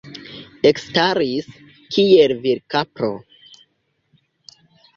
Ekstaris, kiel virkapro.